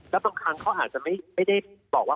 แล้วบางครั้งเขาอาจจะไม่ได้บอกว่า